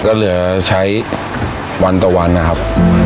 ก็เหลือใช้วันต่อวันนะครับ